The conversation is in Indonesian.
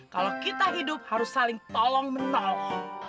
kalau kita hidup harus saling tolong mentolong